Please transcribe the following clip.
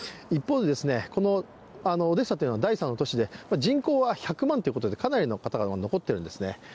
一方でオデッサというのは第３の都市で人口は１００万ということでかなりの方が残っているんですね。